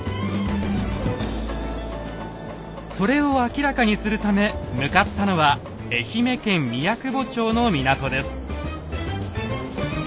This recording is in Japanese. それを明らかにするため向かったのは愛媛県宮窪町の港です。